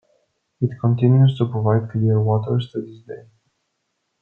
It continues to provide clear water to this day.